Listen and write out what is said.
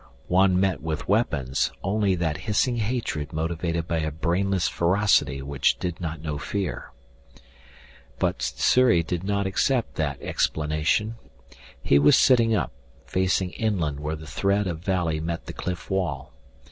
One met with weapons only that hissing hatred motivated by a brainless ferocity which did not know fear. But Sssuri did not accept that explanation. He was sitting up, facing inland where the thread of valley met the cliff wall.